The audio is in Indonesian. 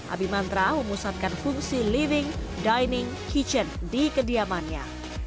abimantra memusatkan fungsi living dining kitchen di kediamannya